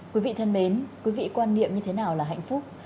quý vị thân mến quý vị quan niệm như thế nào là hạnh phúc